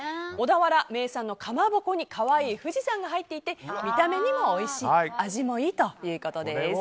小田原名産のかまぼこに可愛い富士山が入っていて見た目にもおいしいし味もいいということです。